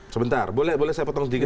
sebentar boleh saya potong sedikit ya